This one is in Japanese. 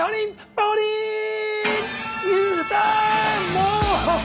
もう。